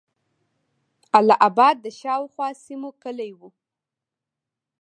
اله آباد د شاوخوا سیمو کیلي وه.